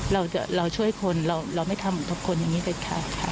เราช่วยคนเราไม่ทำความกันท๓๕๑๑๐๐๑